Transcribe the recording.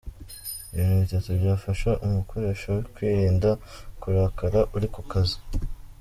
Ibintu bitatu byafasha umukoresha kwirinda kurakara uri ku kazi